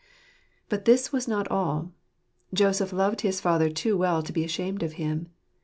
But this was not all. Joseph loved his father too well to be ashamed of him.